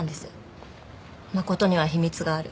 「真琴には秘密がある」。